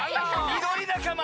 みどりなかま。